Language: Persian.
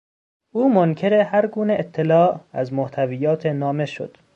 او منکر هر گونه اطلاع از محتویات نامه شد.